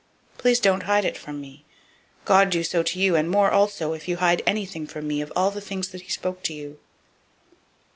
Please don't hide it from me. God do so to you, and more also, if you hide anything from me of all the things that he spoke to you."